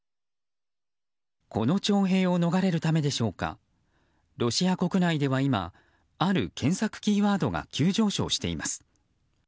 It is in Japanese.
この徴兵を逃れるためでしょうかロシア国内では、今ある検索キーワードが急上昇しています。